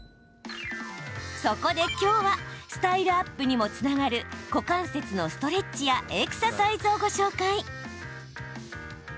そこで、きょうはスタイルアップにもつながる股関節のストレッチやエクササイズをご紹介。